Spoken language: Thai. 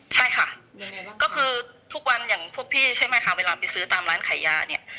ใช่ค่ะก็คือทุกวันอย่างพวกพี่ใช่ไหมคะเวลาไปซื้อตามร้านขายยาเนี่ย